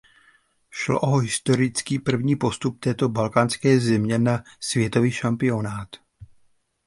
Šlo o historicky první postup této balkánské země na světový šampionát.